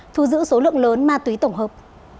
thu giữ số lượng lớn ma túy tổng hợp